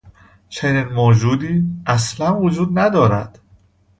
چنین موجودی اصلا وجود ندارد.